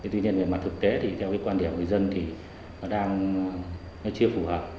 tuy nhiên về mặt thực tế theo quan điểm người dân nó chưa phù hợp